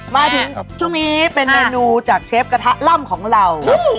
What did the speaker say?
มาถึงช่วงนี้เป็นเมนูจากเชฟกระทะล่ำของเรา